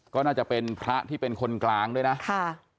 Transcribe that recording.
ก็น่าจะเป็นพระที่เป็นคนกลางด้วยนะค่ะ